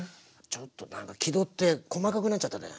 ちょっとなんか気取って細かくなっちゃったね。